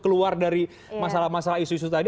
keluar dari masalah masalah isu isu tadi